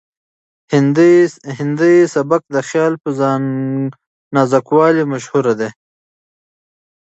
هندي سبک د خیال په نازکوالي مشهور دی.